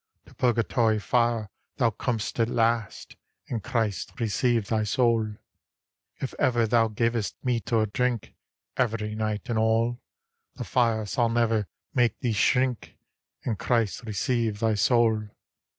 To Purgatory Fire thou com'st at last; And Christe receive thy laule. If ever thou gavest meat or drink, — Every ntghie and alle. The fire sail newr make thee shrink; And Christe receive thy saule.